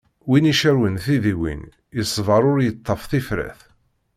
Win icerwen tidiwin, yeṣber ur yettaf tifrat.